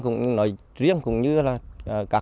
cũng như nội truyền cũng như là các